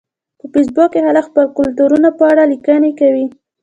په فېسبوک کې خلک د خپلو کلتورونو په اړه لیکنې کوي